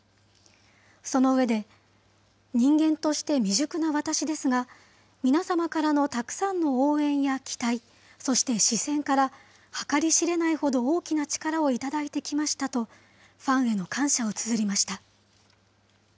その上で、人間として未熟な私ですが、皆様からのたくさんの応援や期待、そして視線から、計り知れないほど大きな力を頂いてきましたと、ファンへの感謝をつづりました。